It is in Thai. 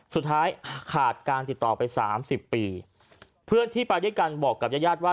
สุดท้ายขาดการติดต่อไปสามสิบปีเพื่อนที่ไปด้วยกันบอกกับญาติญาติว่า